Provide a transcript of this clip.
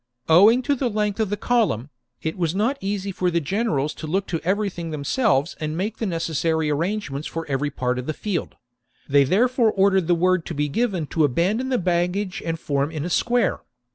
Owing to the length of the column, it was not easy for the generals to look to everything themselves and make the necessary arrangements for every part of the field ; they therefore ordered the word to be given to abandon the baggage and form in a square.